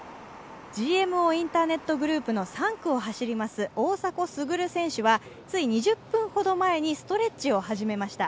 ＧＭＯインターネットグループの３区を走ります大迫傑選手はつい２０分ほど前にストレッチを始めました。